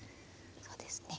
そうですね